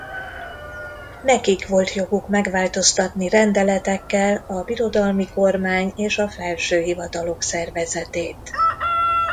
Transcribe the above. Nekik volt joguk megváltoztatni rendeletekkel a birodalmi kormány és a felső hivatalok szervezetét.